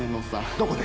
どこで！？